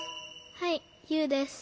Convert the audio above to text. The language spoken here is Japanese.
はいユウです。